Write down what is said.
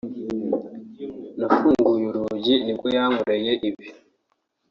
nafunguye urugi nibwo yankoreye ibi